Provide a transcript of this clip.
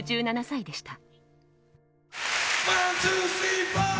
６７歳でした。